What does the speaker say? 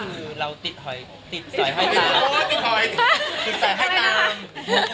อันนี้คือเราติดหอยติดสอยหอยตาม